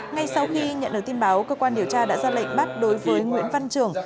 ngay sau khi nhận được tin báo cơ quan điều tra đã ra lệnh bắt đối với nguyễn văn trường